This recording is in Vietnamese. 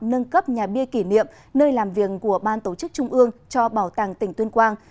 nâng cấp nhà bia kỷ niệm nơi làm việc của ban tổ chức trung ương cho bảo tàng tỉnh tuyên quang